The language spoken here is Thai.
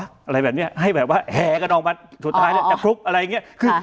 อะไรแบบนี้ให้แบบว่าแหกันออกมาสุดท้ายเนี่ยจะคลุกอะไรอย่างนี้